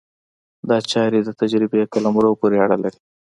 دا چارې د تجربې قلمرو پورې اړه لري.